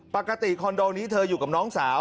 คอนโดนี้เธออยู่กับน้องสาว